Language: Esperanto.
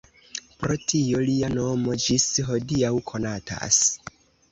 Pro tio lia nomo ĝis hodiaŭ konatas.